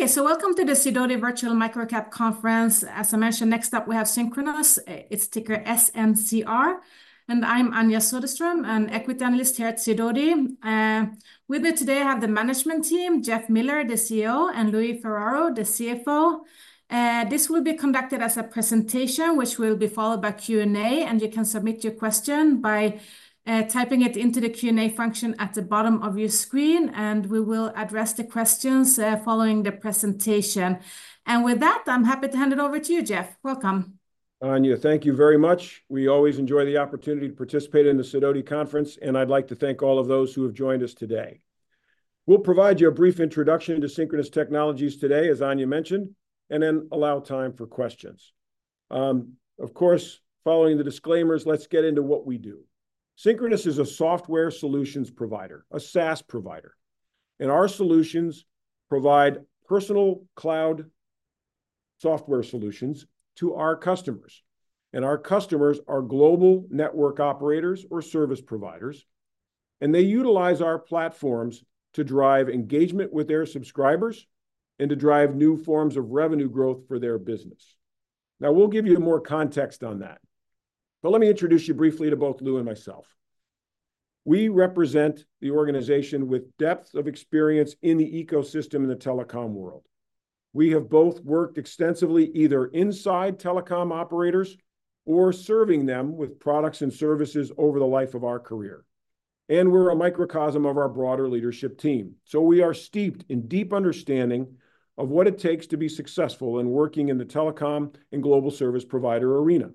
Okay, so welcome to the Sidoti Virtual MicroCap Conference. As I mentioned, next up we have Synchronoss. Its ticker SNCR, and I'm Anja Soderstrom, an equity analyst here at Sidoti. With me today I have the management team, Jeff Miller, the CEO, and Louis Ferraro, the CFO. This will be conducted as a presentation, which will be followed by Q&A, and you can submit your question by typing it into the Q&A function at the bottom of your screen, and we will address the questions following the presentation. With that, I'm happy to hand it over to you, Jeff. Welcome. Anja, thank you very much. We always enjoy the opportunity to participate in the Sidoti conference, and I'd like to thank all of those who have joined us today. We'll provide you a brief introduction to Synchronoss Technologies today, as Anja mentioned, and then allow time for questions. Of course, following the disclaimers, let's get into what we do. Synchronoss is a software solutions provider, a SaaS provider, and our solutions provide personal cloud software solutions to our customers, and our customers are global network operators or service providers, and they utilize our platforms to drive engagement with their subscribers and to drive new forms of revenue growth for their business. Now, we'll give you more context on that, but let me introduce you briefly to both Lou and myself. We represent the organization with depth of experience in the ecosystem in the telecom world. We have both worked extensively either inside telecom operators or serving them with products and services over the life of our career, and we're a microcosm of our broader leadership team, so we are steeped in deep understanding of what it takes to be successful in working in the telecom and global service provider arena.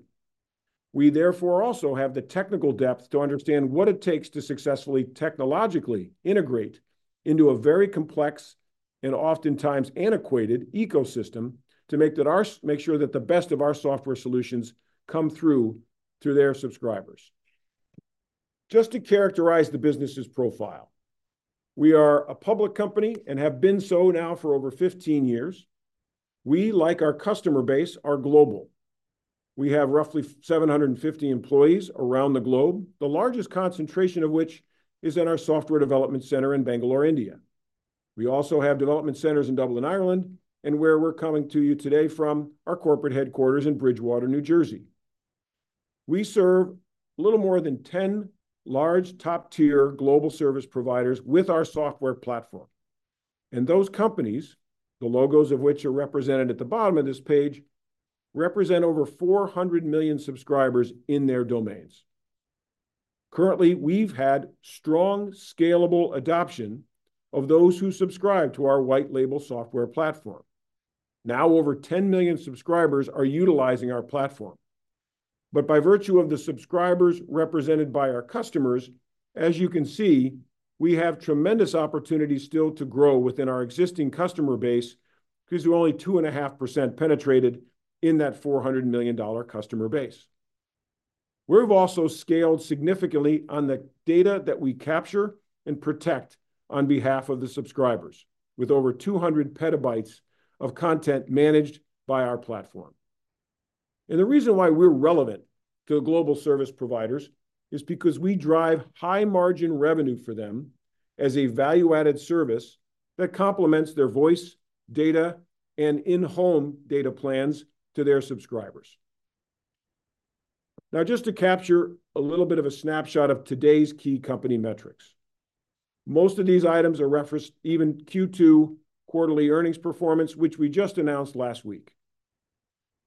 We therefore also have the technical depth to understand what it takes to successfully technologically integrate into a very complex and oftentimes antiquated ecosystem, to make sure that the best of our software solutions come through to their subscribers. Just to characterize the business's profile, we are a public company and have been so now for over 15 years. We, like our customer base, are global. We have roughly 750 employees around the globe, the largest concentration of which is in our software development center in Bangalore, India. We also have development centers in Dublin, Ireland, and where we're coming to you today from, our corporate headquarters in Bridgewater, New Jersey. We serve a little more than 10 large, top-tier global service providers with our software platform, and those companies, the logos of which are represented at the bottom of this page, represent over 400 million subscribers in their domains. Currently, we've had strong, scalable adoption of those who subscribe to our white label software platform. Now, over 10 million subscribers are utilizing our platform. But by virtue of the subscribers represented by our customers, as you can see, we have tremendous opportunity still to grow within our existing customer base, because we're only 2.5% penetrated in that 400 million dollar customer base. We've also scaled significantly on the data that we capture and protect on behalf of the subscribers, with over 200 petabytes of content managed by our platform. And the reason why we're relevant to global service providers is because we drive high-margin revenue for them as a value-added service that complements their voice, data, and in-home data plans to their subscribers. Now, just to capture a little bit of a snapshot of today's key company metrics. Most of these items are referenced, even Q2 quarterly earnings performance, which we just announced last week.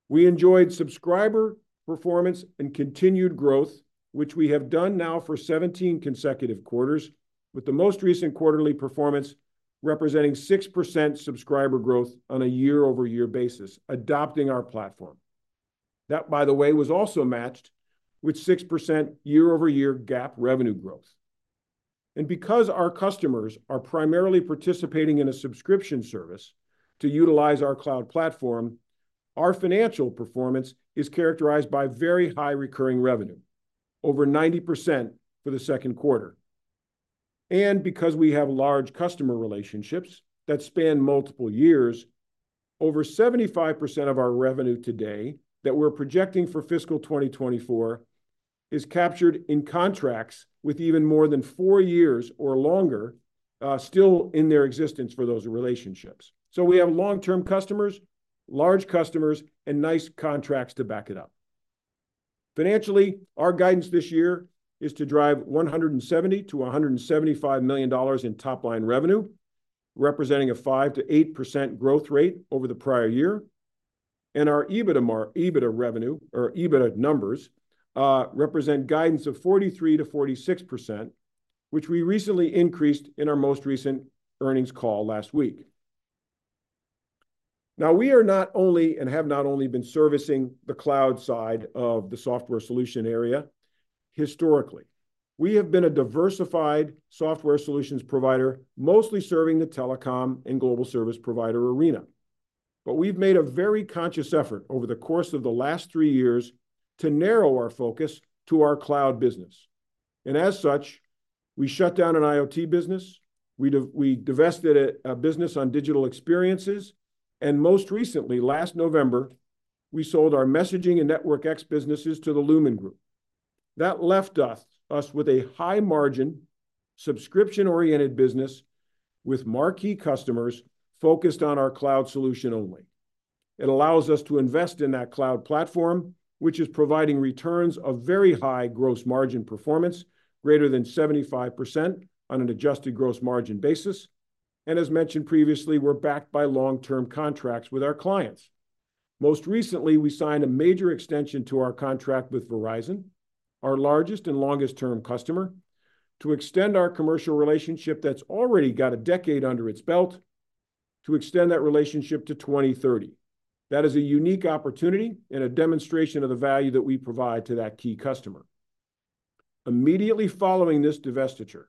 We enjoyed subscriber performance and continued growth, which we have done now for 17 consecutive quarters, with the most recent quarterly performance representing 6% subscriber growth on a year-over-year basis, adopting our platform. That, by the way, was also matched with 6% year-over-year GAAP revenue growth. Because our customers are primarily participating in a subscription service to utilize our cloud platform, our financial performance is characterized by very high recurring revenue, over 90% for the second quarter. Because we have large customer relationships that span multiple years, over 75% of our revenue today that we're projecting for fiscal 2024 is captured in contracts with even more than four years or longer, still in their existence for those relationships. We have long-term customers, large customers, and nice contracts to back it up. Financially, our guidance this year is to drive $170 million-$175 million in top-line revenue, representing a 5%-8% growth rate over the prior year. Our EBITDA revenue or EBITDA numbers represent guidance of 43%-46%, which we recently increased in our most recent earnings call last week. Now, we are not only and have not only been servicing the cloud side of the software solution area historically. We have been a diversified software solutions provider, mostly serving the telecom and global service provider arena. But we've made a very conscious effort over the course of the last 3 years to narrow our focus to our cloud business, and as such, we shut down an IoT business. We divested a business on digital experiences, and most recently, last November, we sold our messaging and NetworkX businesses to the Lumen Group. That left us with a high-margin, subscription-oriented business with marquee customers focused on our cloud solution only. It allows us to invest in that cloud platform, which is providing returns of very high gross margin performance, greater than 75% on an adjusted gross margin basis, and as mentioned previously, we're backed by long-term contracts with our clients. Most recently, we signed a major extension to our contract with Verizon, our largest and longest-term customer, to extend our commercial relationship that's already got a decade under its belt, to extend that relationship to 2030. That is a unique opportunity and a demonstration of the value that we provide to that key customer. Immediately following this divestiture,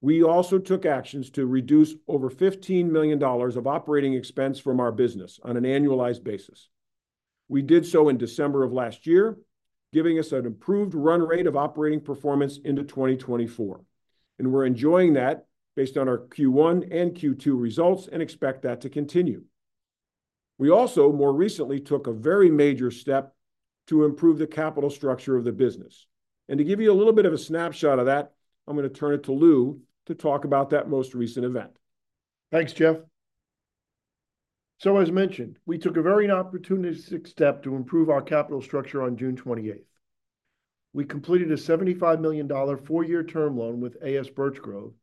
we also took actions to reduce over $15 million of operating expense from our business on an annualized basis. We did so in December of last year, giving us an improved run rate of operating performance into 2024, and we're enjoying that based on our Q1 and Q2 results, and expect that to continue. We also, more recently, took a very major step to improve the capital structure of the business. To give you a little bit of a snapshot of that, I'm going to turn it to Lou to talk about that most recent event. Thanks, Jeff. So as mentioned, we took a very opportunistic step to improve our capital structure on June 28th. We completed a $75 million, four-year term loan with AS Birch Grove,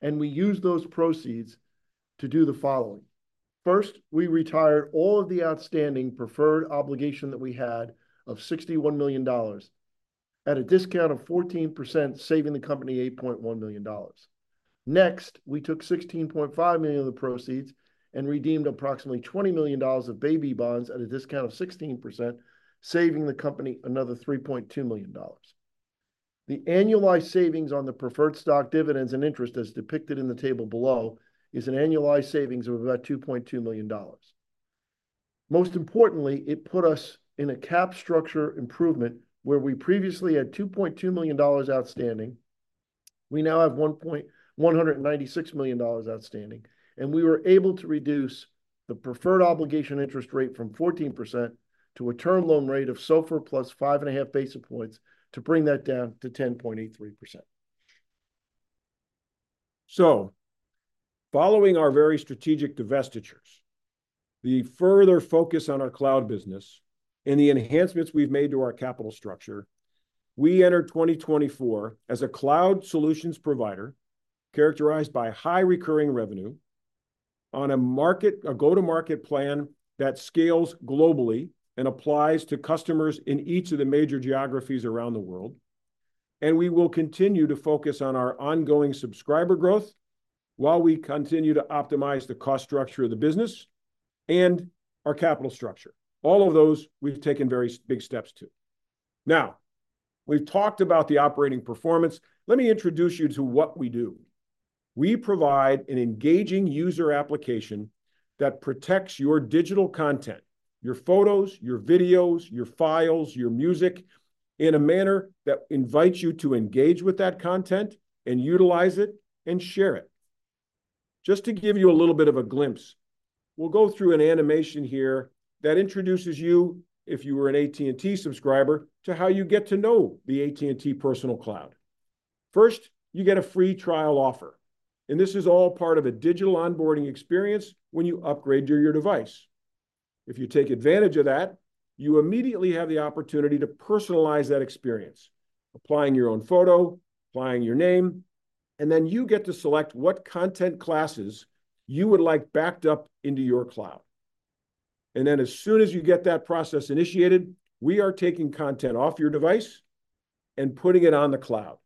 and we used those proceeds to do the following: First, we retired all of the outstanding preferred obligation that we had of $61 million at a discount of 14%, saving the company $8.1 million. Next, we took $16.5 million of the proceeds and redeemed approximately $20 million of baby bonds at a discount of 16%, saving the company another $3.2 million. The annualized savings on the preferred stock dividends and interest, as depicted in the table below, is an annualized savings of about $2.2 million. Most importantly, it put us in a capital structure improvement, where we previously had $2.2 million outstanding, we now have one point-- $196 million outstanding, and we were able to reduce the preferred obligation interest rate from 14% to a term loan rate of SOFR plus 5.5 basis points to bring that down to 10.83%. So following our very strategic divestitures, the further focus on our cloud business, and the enhancements we've made to our capital structure, we enter 2024 as a cloud solutions provider characterized by high recurring revenue on a market, a go-to-market plan that scales globally and applies to customers in each of the major geographies around the world. And we will continue to focus on our ongoing subscriber growth while we continue to optimize the cost structure of the business and our capital structure. All of those, we've taken very big steps to. Now, we've talked about the operating performance. Let me introduce you to what we do. We provide an engaging user application that protects your digital content, your photos, your videos, your files, your music, in a manner that invites you to engage with that content and utilize it, and share it. Just to give you a little bit of a glimpse, we'll go through an animation here that introduces you, if you are an AT&T subscriber, to how you get to know the AT&T Personal Cloud. First, you get a free trial offer, and this is all part of a digital onboarding experience when you upgrade your device. If you take advantage of that, you immediately have the opportunity to personalize that experience, applying your own photo, applying your name, and then you get to select what content classes you would like backed up into your cloud. And then as soon as you get that process initiated, we are taking content off your device and putting it on the cloud,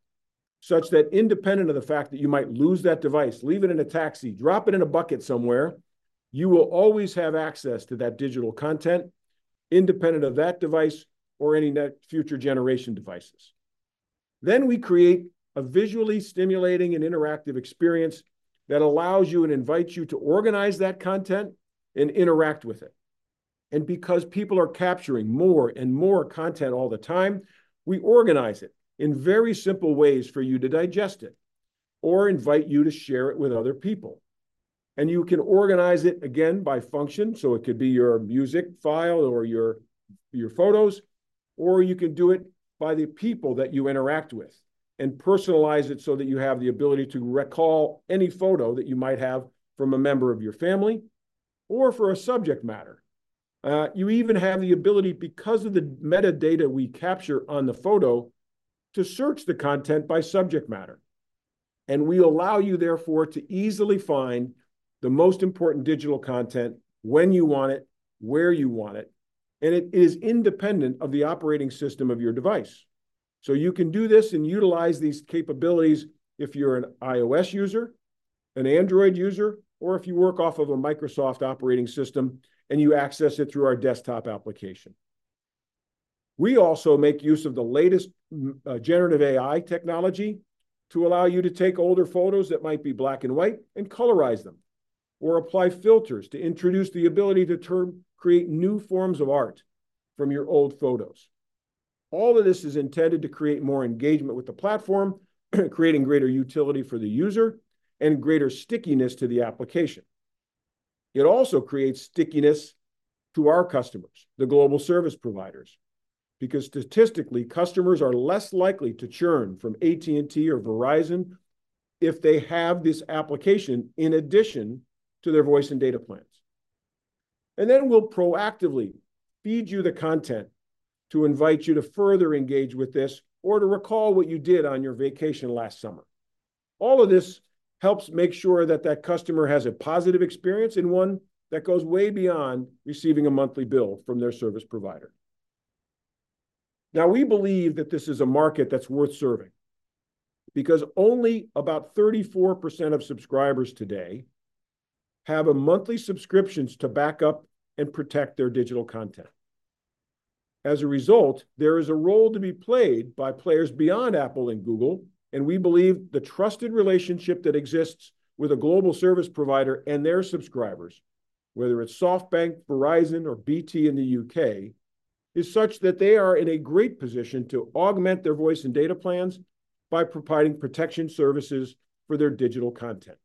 such that independent of the fact that you might lose that device, leave it in a taxi, drop it in a bucket somewhere, you will always have access to that digital content, independent of that device or any net future generation devices. Then we create a visually stimulating and interactive experience that allows you and invites you to organize that content and interact with it. And because people are capturing more and more content all the time, we organize it in very simple ways for you to digest it, or invite you to share it with other people. You can organize it again by function, so it could be your music file or your photos, or you can do it by the people that you interact with, and personalize it so that you have the ability to recall any photo that you might have from a member of your family or for a subject matter. You even have the ability, because of the metadata we capture on the photo, to search the content by subject matter. We allow you, therefore, to easily find the most important digital content when you want it, where you want it, and it is independent of the operating system of your device. You can do this and utilize these capabilities if you're an iOS user, an Android user, or if you work off of a Microsoft operating system, and you access it through our desktop application. We also make use of the latest, generative AI technology to allow you to take older photos that might be black and white, and colorize them, or apply filters to introduce the ability to create new forms of art from your old photos. All of this is intended to create more engagement with the platform, creating greater utility for the user and greater stickiness to the application. It also creates stickiness to our customers, the global service providers, because statistically, customers are less likely to churn from AT&T or Verizon if they have this application in addition to their voice and data plans. And then we'll proactively feed you the content to invite you to further engage with this, or to recall what you did on your vacation last summer. All of this helps make sure that that customer has a positive experience, and one that goes way beyond receiving a monthly bill from their service provider. Now, we believe that this is a market that's worth serving, because only about 34% of subscribers today have a monthly subscriptions to back up and protect their digital content. As a result, there is a role to be played by players beyond Apple and Google, and we believe the trusted relationship that exists with a global service provider and their subscribers, whether it's SoftBank, Verizon, or BT in the UK, is such that they are in a great position to augment their voice and data plans by providing protection services for their digital content.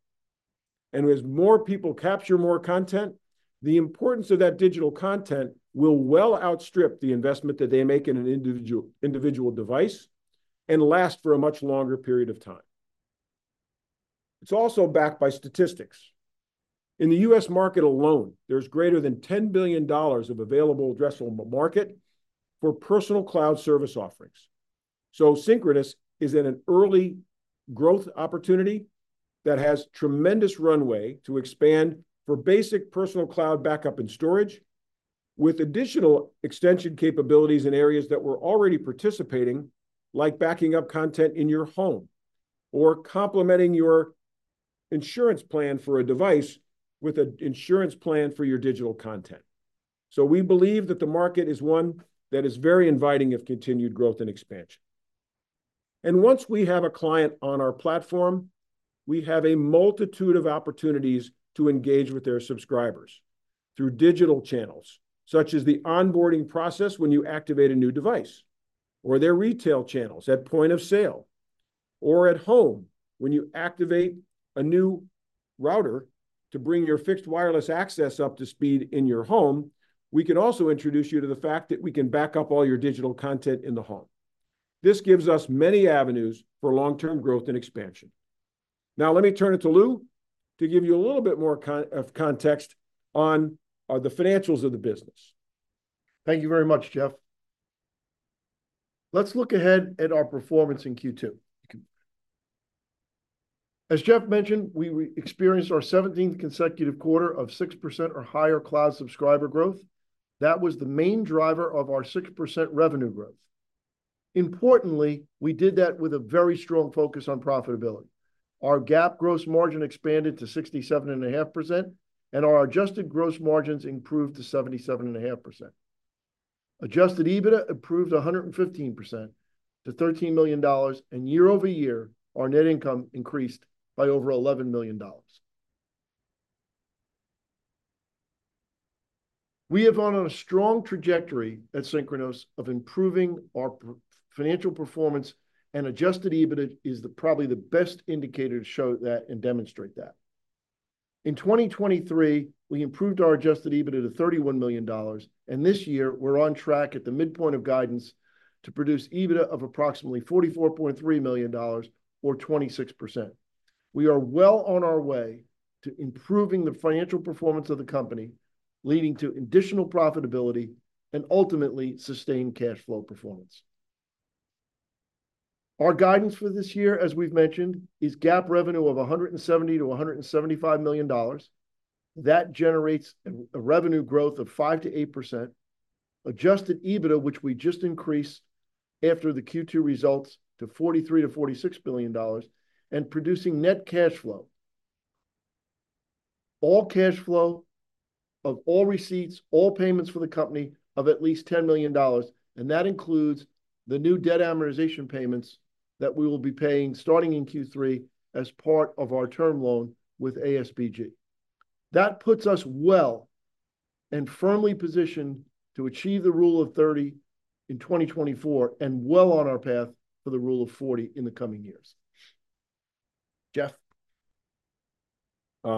As more people capture more content, the importance of that digital content will well outstrip the investment that they make in an individual device, and last for a much longer period of time. It's also backed by statistics. In the U.S. market alone, there's greater than $10 billion of available addressable market for personal cloud service offerings. Synchronoss is in an early growth opportunity that has tremendous runway to expand for basic personal cloud backup and storage, with additional extension capabilities in areas that we're already participating, like backing up content in your home, or complementing your insurance plan for a device with an insurance plan for your digital content. We believe that the market is one that is very inviting of continued growth and expansion. Once we have a client on our platform, we have a multitude of opportunities to engage with their subscribers through digital channels, such as the onboarding process when you activate a new device, or their retail channels at point of sale, or at home when you activate a new router to bring your fixed wireless access up to speed in your home. We can also introduce you to the fact that we can back up all your digital content in the home. This gives us many avenues for long-term growth and expansion. Now, let me turn it to Lou to give you a little bit more context on the financials of the business. Thank you very much, Jeff. Let's look ahead at our performance in Q2. As Jeff mentioned, we experienced our 17th consecutive quarter of 6% or higher cloud subscriber growth. That was the main driver of our 6% revenue growth. Importantly, we did that with a very strong focus on profitability. Our GAAP gross margin expanded to 67.5%, and our adjusted gross margins improved to 77.5%. Adjusted EBITDA improved 115% to $13 million, and year-over-year, our net income increased by over $11 million. We have been on a strong trajectory at Synchronoss of improving our financial performance, and adjusted EBITDA is probably the best indicator to show that and demonstrate that. In 2023, we improved our adjusted EBITDA to $31 million, and this year we're on track at the midpoint of guidance to produce EBITDA of approximately $44.3 million or 26%. We are well on our way to improving the financial performance of the company, leading to additional profitability, and ultimately, sustained cash flow performance. Our guidance for this year, as we've mentioned, is GAAP revenue of $170 million-$175 million. That generates revenue growth of 5%-8%. Adjusted EBITDA, which we just increased after the Q2 results, to $43 billion-$46 billion, and producing net cash flow. All cash flow of all receipts, all payments for the company, of at least $10 million, and that includes the new debt amortization payments that we will be paying, starting in Q3, as part of our term loan with AS Birch Grove. That puts us well and firmly positioned to achieve the Rule of 30 in 2024, and well on our path for the Rule of 40 in the coming years. Jeff? You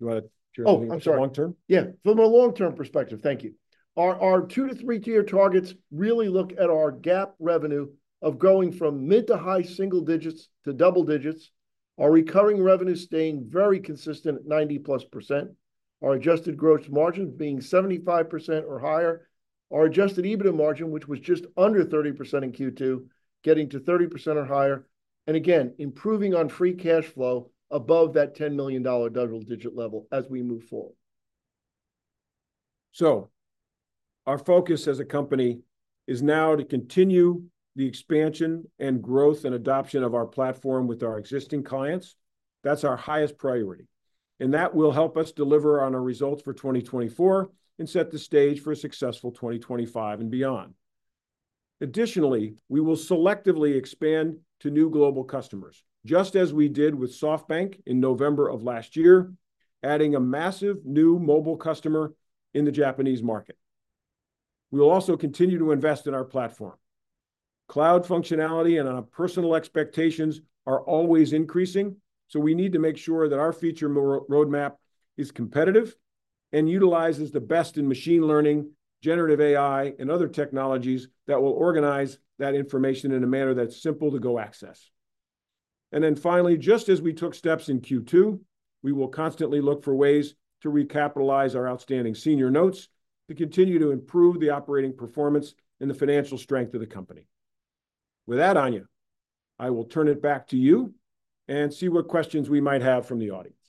wanna share- Oh, I'm sorry. The long term? Yeah, from a long-term perspective, thank you. Our two- to three-year targets really look at our GAAP revenue of going from mid- to high single digits to double digits. Our recurring revenue staying very consistent at 90%+, our adjusted gross margins being 75% or higher, our adjusted EBITDA margin, which was just under 30% in Q2, getting to 30% or higher, and again, improving on free cash flow above that $10 million double-digit level as we move forward. So our focus as a company is now to continue the expansion and growth, and adoption of our platform with our existing clients. That's our highest priority, and that will help us deliver on our results for 2024, and set the stage for a successful 2025 and beyond. Additionally, we will selectively expand to new global customers, just as we did with SoftBank in November of last year, adding a massive new mobile customer in the Japanese market. We will also continue to invest in our platform. Cloud functionality and our personal expectations are always increasing, so we need to make sure that our feature roadmap is competitive and utilizes the best in machine learning, generative AI, and other technologies that will organize that information in a manner that's simple to go access. And then finally, just as we took steps in Q2, we will constantly look for ways to recapitalize our outstanding senior notes to continue to improve the operating performance and the financial strength of the company. With that, Anja, I will turn it back to you and see what questions we might have from the audience.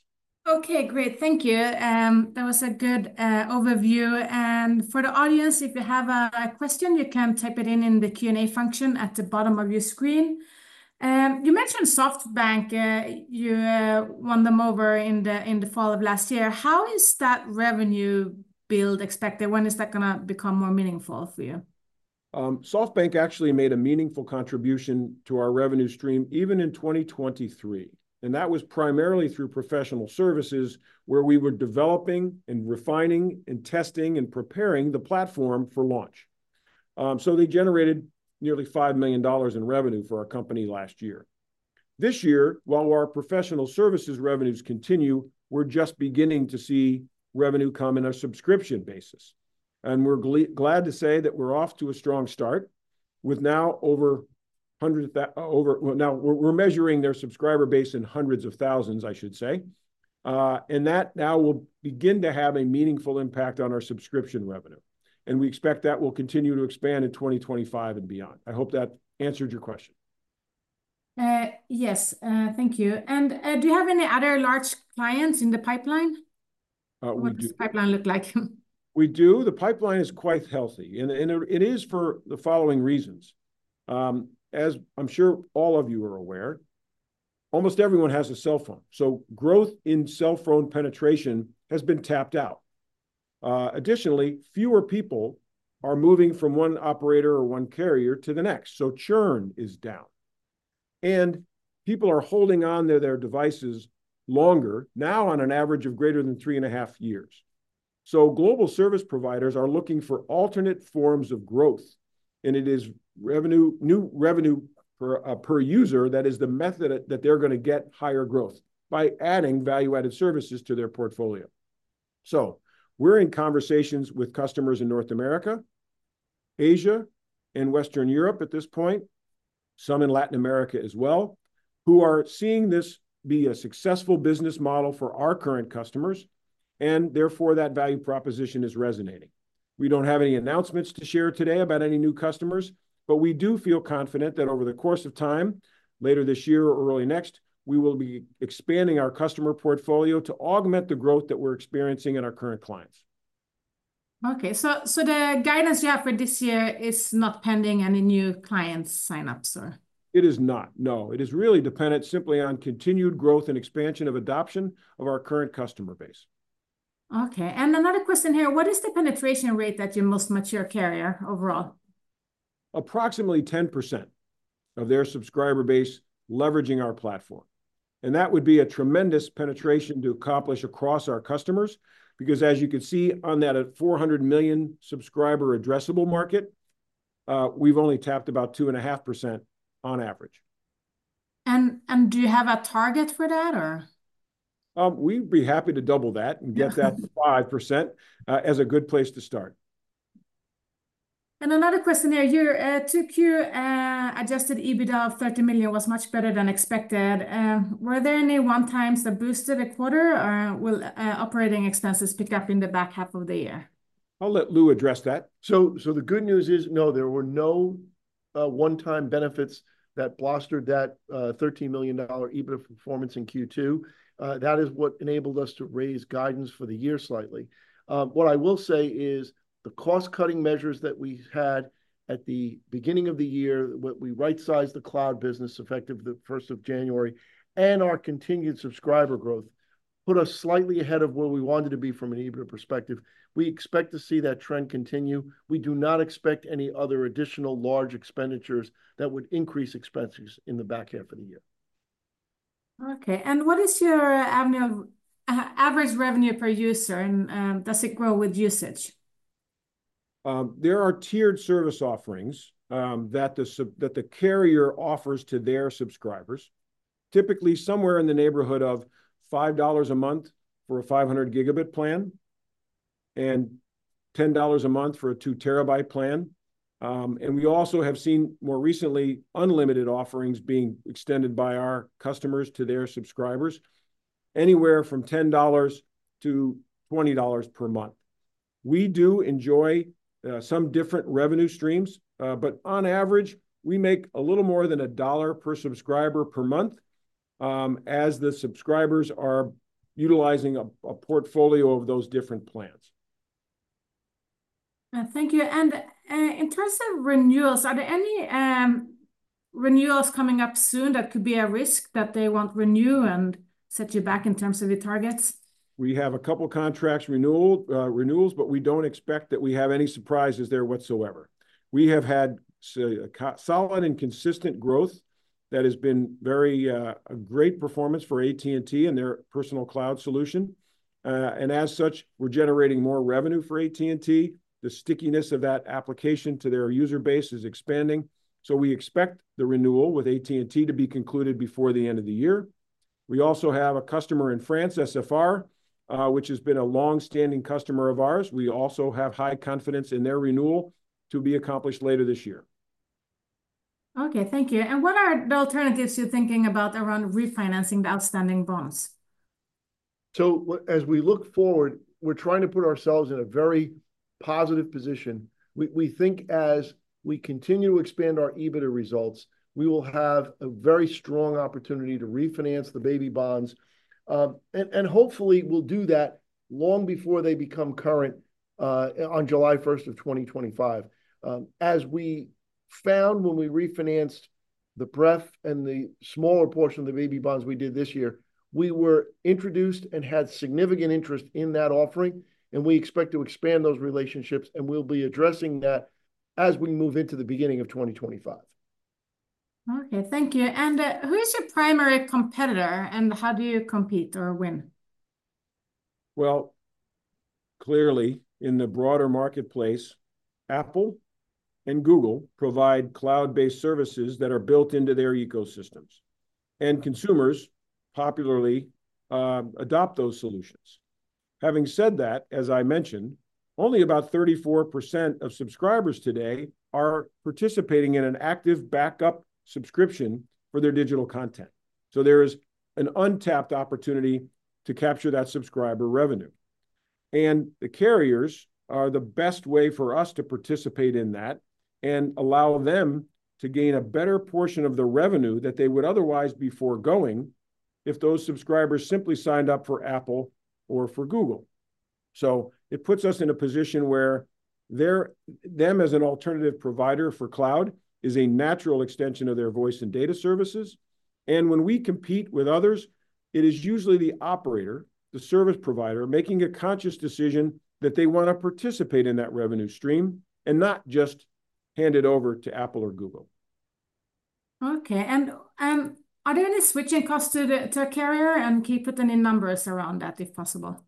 Okay, great. Thank you. That was a good overview. For the audience, if you have a question, you can type it in the Q&A function at the bottom of your screen. You mentioned SoftBank. You won them over in the fall of last year. How is that revenue build expected? When is that going to become more meaningful for you? SoftBank actually made a meaningful contribution to our revenue stream even in 2023, and that was primarily through professional services, where we were developing, and refining, and testing, and preparing the platform for launch. So they generated nearly $5 million in revenue for our company last year. This year, while our professional services revenues continue, we're just beginning to see revenue come in a subscription basis, and we're glad to say that we're off to a strong start. Well, now we're measuring their subscriber base in hundreds of thousands, I should say. And that now will begin to have a meaningful impact on our subscription revenue, and we expect that will continue to expand in 2025 and beyond. I hope that answered your question. Yes. Thank you. And do you have any other large clients in the pipeline? We do. What does the pipeline look like? We do. The pipeline is quite healthy, and it is for the following reasons: As I'm sure all of you are aware, almost everyone has a cell phone, so growth in cell phone penetration has been tapped out. Additionally, fewer people are moving from one operator or one carrier to the next, so churn is down. And people are holding on to their devices longer, now on an average of greater than 3.5 years. So global service providers are looking for alternate forms of growth, and it is revenue, new revenue per user that is the method that they're going to get higher growth, by adding value-added services to their portfolio. So we're in conversations with customers in North America, Asia, and Western Europe at this point, some in Latin America as well, who are seeing this be a successful business model for our current customers, and therefore, that value proposition is resonating. We don't have any announcements to share today about any new customers, but we do feel confident that over the course of time, later this year or early next, we will be expanding our customer portfolio to augment the growth that we're experiencing in our current clients. Okay, so the guidance you have for this year is not pending any new clients signups, so- It is not, no. It is really dependent simply on continued growth and expansion of adoption of our current customer base. Okay, and another question here: What is the penetration rate at your most mature carrier overall? Approximately 10% of their subscriber base leveraging our platform, and that would be a tremendous penetration to accomplish across our customers. Because as you can see on that, 400 million subscriber addressable market, we've only tapped about 2.5% on average. Do you have a target for that, or? We'd be happy to double that and get that to 5%, as a good place to start. Another question here. Your 2Q adjusted EBITDA of $30 million was much better than expected. Were there any one-times that boosted the quarter, or will operating expenses pick up in the back half of the year? I'll let Lou address that. So, the good news is, no, there were no one-time benefits that bolstered that $13 million EBITDA performance in Q2. That is what enabled us to raise guidance for the year slightly. What I will say is, the cost-cutting measures that we had at the beginning of the year, we right-sized the cloud business effective the 1st of January, and our continued subscriber growth put us slightly ahead of where we wanted to be from an EBITDA perspective. We expect to see that trend continue. We do not expect any other additional large expenditures that would increase expenses in the back half of the year. Okay, and what is your average revenue per user, and does it grow with usage? There are tiered service offerings that the carrier offers to their subscribers, typically somewhere in the neighborhood of $5 a month for a 500 GB plan and $10 a month for a 2 TB plan. And we also have seen, more recently, unlimited offerings being extended by our customers to their subscribers, anywhere from $10-$20 per month. We do enjoy some different revenue streams, but on average, we make a little more than $1 per subscriber per month, as the subscribers are utilizing a portfolio of those different plans. Thank you. And, in terms of renewals, are there any renewals coming up soon that could be a risk that they won't renew and set you back in terms of your targets? We have a couple contracts renewal, renewals, but we don't expect that we have any surprises there whatsoever. We have had solid and consistent growth. That has been very, a great performance for AT&T and their personal cloud solution. And as such, we're generating more revenue for AT&T. The stickiness of that application to their user base is expanding, so we expect the renewal with AT&T to be concluded before the end of the year. We also have a customer in France, SFR, which has been a long-standing customer of ours. We also have high confidence in their renewal to be accomplished later this year. Okay, thank you. What are the alternatives you're thinking about around refinancing the outstanding bonds? So as we look forward, we're trying to put ourselves in a very positive position. We think as we continue to expand our EBITDA results, we will have a very strong opportunity to refinance the baby bonds. And hopefully, we'll do that long before they become current on July 1st of 2025. As we found when we refinanced the debt and the smaller portion of the baby bonds we did this year, we were introduced and had significant interest in that offering, and we expect to expand those relationships, and we'll be addressing that as we move into the beginning of 2025. Okay, thank you. And, who is your primary competitor, and how do you compete or win? Well, clearly, in the broader marketplace, Apple and Google provide cloud-based services that are built into their ecosystems, and consumers popularly adopt those solutions. Having said that, as I mentioned, only about 34% of subscribers today are participating in an active backup subscription for their digital content. So there is an untapped opportunity to capture that subscriber revenue, and the carriers are the best way for us to participate in that and allow them to gain a better portion of the revenue that they would otherwise be foregoing if those subscribers simply signed up for Apple or for Google. So it puts us in a position where them as an alternative provider for cloud is a natural extension of their voice and data services, and when we compete with others, it is usually the operator, the service provider, making a conscious decision that they wanna participate in that revenue stream and not just hand it over to Apple or Google. Okay, and, are there any switching costs to the carrier? Can you put any numbers around that, if possible?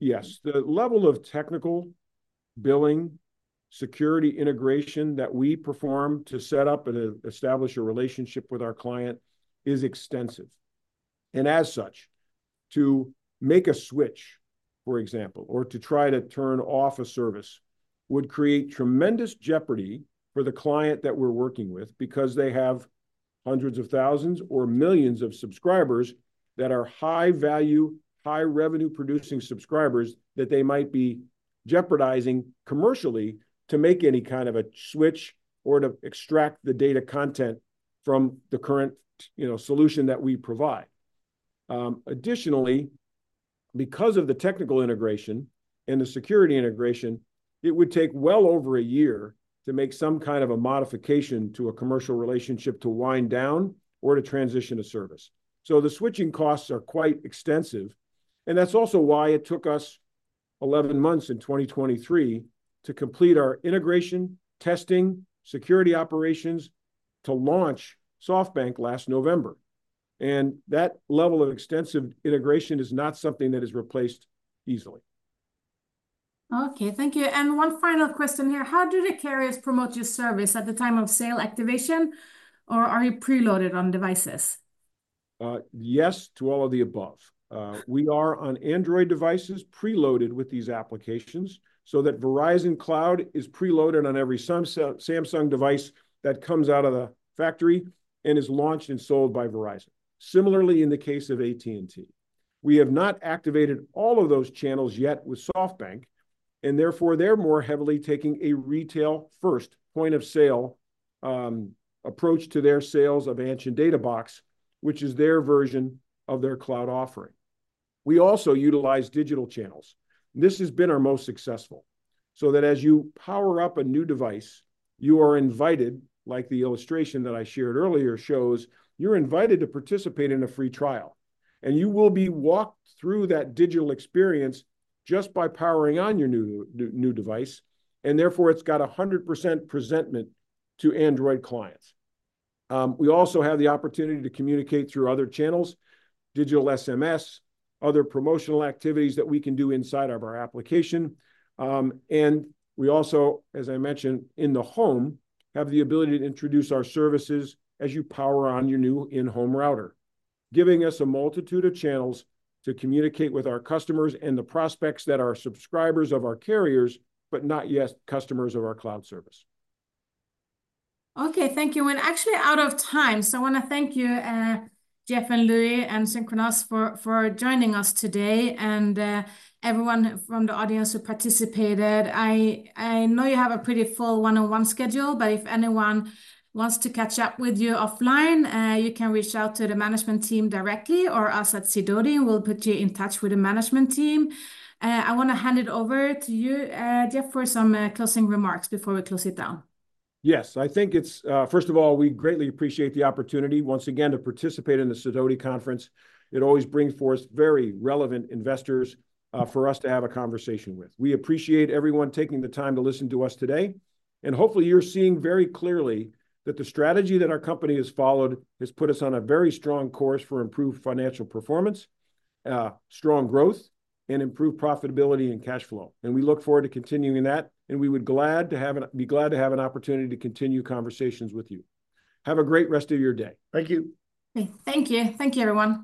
Yes. The level of technical billing, security integration that we perform to set up and establish a relationship with our client is extensive. And as such, to make a switch, for example, or to try to turn off a service, would create tremendous jeopardy for the client that we're working with because they have hundreds of thousands or millions of subscribers that are high-value, high-revenue producing subscribers, that they might be jeopardizing commercially to make any kind of a switch or to extract the data content from the current, you know, solution that we provide. Additionally, because of the technical integration and the security integration, it would take well over a year to make some kind of a modification to a commercial relationship to wind down or to transition a service. So the switching costs are quite extensive, and that's also why it took us 11 months in 2023 to complete our integration, testing, security operations to launch SoftBank last November, and that level of extensive integration is not something that is replaced easily. Okay, thank you. One final question here: How do the carriers promote your service, at the time of sale activation, or are you preloaded on devices? Yes to all of the above. We are on Android devices, preloaded with these applications, so that Verizon Cloud is preloaded on every Samsung device that comes out of the factory and is launched and sold by Verizon. Similarly, in the case of AT&T, we have not activated all of those channels yet with SoftBank, and therefore, they're more heavily taking a retail-first, point-of-sale approach to their sales of Anshin Data Box, which is their version of their cloud offering. We also utilize digital channels. This has been our most successful, so that as you power up a new device, you are invited. Like the illustration that I shared earlier shows, you're invited to participate in a free trial, and you will be walked through that digital experience just by powering on your new device, and therefore, it's got 100% presentment to Android clients. We also have the opportunity to communicate through other channels, digital SMS, other promotional activities that we can do inside of our application, and we also, as I mentioned, in the home, have the ability to introduce our services as you power on your new in-home router, giving us a multitude of channels to communicate with our customers and the prospects that are subscribers of our carriers, but not yet customers of our cloud service. Okay, thank you. We're actually out of time, so I want to thank you, Jeff and Louis, and Synchronoss for joining us today, and everyone from the audience who participated. I know you have a pretty full one-on-one schedule, but if anyone wants to catch up with you offline, you can reach out to the management team directly or us at Sidoti, and we'll put you in touch with the management team. I want to hand it over to you, Jeff, for some closing remarks before we close it down. Yes, I think it's... first of all, we greatly appreciate the opportunity, once again, to participate in the Sidoti conference. It always brings forth very relevant investors for us to have a conversation with. We appreciate everyone taking the time to listen to us today, and hopefully, you're seeing very clearly that the strategy that our company has followed has put us on a very strong course for improved financial performance, strong growth, and improved profitability and cash flow. And we look forward to continuing that, and we would be glad to have an opportunity to continue conversations with you. Have a great rest of your day. Thank you. Okay, thank you. Thank you, everyone.